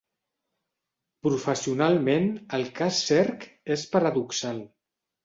Professionalment, el cas Cerc és paradoxal.